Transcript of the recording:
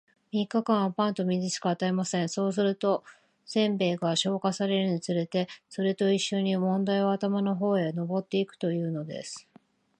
三日間は、パンと水しか与えません。そうすると、煎餅が消化されるにつれて、それと一しょに問題は頭の方へ上ってゆくというのです。